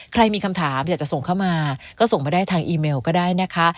ใครมีคำถามอยากจะส่งเข้ามาก็ส่งมาได้ทางอีเมลก็ได้นะคะ